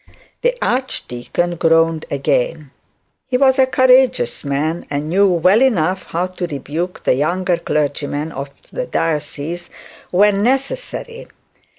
The archdeacon groaned again. He was a courageous man, and knew well enough how to rebuke the younger clergymen of the diocese when necessary.